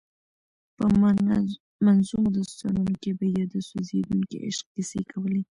په منظومو داستانونو کې به یې د سوځېدونکي عشق کیسې کولې.